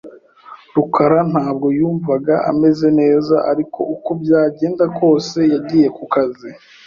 rukara ntabwo yumvaga ameze neza, ariko uko byagenda kose yagiye ku kazi .